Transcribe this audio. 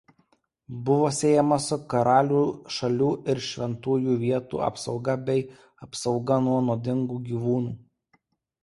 Buvo siejama su karalių šalių ir šventųjų vietų apsauga bei apsauga nuo nuodingų gyvūnų.